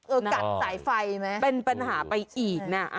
เออกัดสายไฟมั้ยเป็นปัญหาไปอีกนะ